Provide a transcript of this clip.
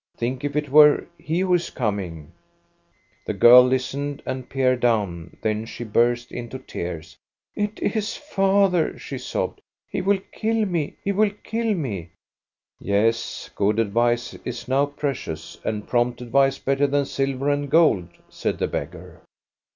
Think if it were he who is coming !" The girl listened and peered down, then she burst into tears. " It is father," she sobbed. " He will kill me ! He will kill me !"" Yes, good advice is now precious, and prompt advice better than silver and gold," said the beggar.